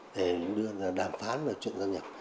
điều này là đàm phán về chuyện gia nhập